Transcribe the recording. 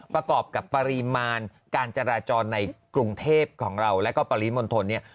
ประกอบกับปริมาณการจราจรในกรุงเทพของเราแล้วก็ปริมณฑลเนี่ย